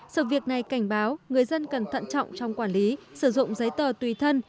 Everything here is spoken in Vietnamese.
sự việc này cảnh báo người dân cần thận trọng trong quản lý sử dụng giấy tờ tùy thân